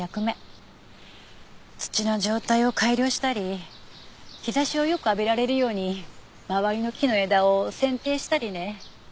土の状態を改良したり日差しをよく浴びられるように周りの木の枝を剪定したりね。